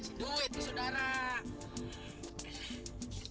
nah itu kan apaan sih